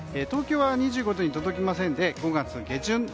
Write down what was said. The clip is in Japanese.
東京は２５度に届きませんで５月下旬。